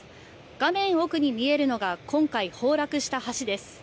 画面奥に見えるのが今回、崩落した橋です。